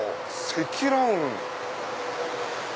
積乱雲。